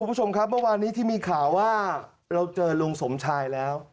คุณผู้ชมครับเมื่อวานนี้ที่มีข่าวว่าเราเจอลุงสมชายแล้ว